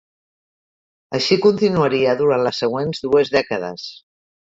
Així continuaria durant les següents dues dècades.